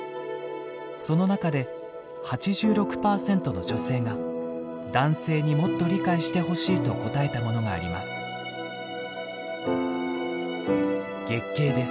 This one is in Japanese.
その中で８６％の女性が男性にもっと理解してほしいと答えたものがあります。